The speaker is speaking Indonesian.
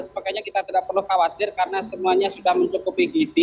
sebagainya kita tidak perlu khawatir karena semuanya sudah mencukupi gizi